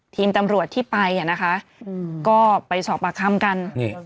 ทีมตำรวจที่ไปนะคะก็ไปสอบปากคำกัน